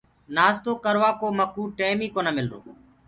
نآستو ڪروآ ڪو مڪوُ ٽيم ئي ڪونآ مِلرو۔